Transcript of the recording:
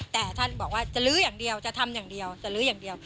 แต่ท่านบอกว่าจะลื้ออย่างเดียวจะทำอย่างเดียวจะลื้ออย่างเดียว